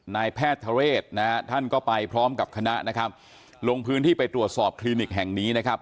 นายแพทย์ทะเรศนะฮะท่านก็ไปพร้อมกับคณะนะครับลงพื้นที่ไปตรวจสอบคลินิกแห่งนี้นะครับ